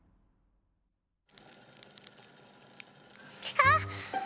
あっ！